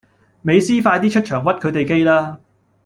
美斯快啲出場屈佢地機啦